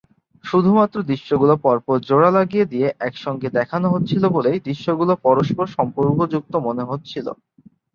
শুধুমাত্র দৃশ্যগুলো পরপর জোড়া লাগিয়ে দিয়ে একসঙ্গে দেখানো হচ্ছিল বলেই দৃশ্যগুলো পরস্পর সম্পর্কযুক্ত মনে হচ্ছিল।